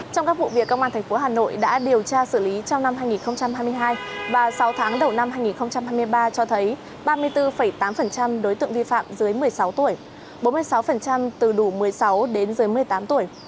trong các vụ việc công an tp hà nội đã điều tra xử lý trong năm hai nghìn hai mươi hai và sáu tháng đầu năm hai nghìn hai mươi ba cho thấy ba mươi bốn tám đối tượng vi phạm dưới một mươi sáu tuổi bốn mươi sáu từ đủ một mươi sáu đến dưới một mươi tám tuổi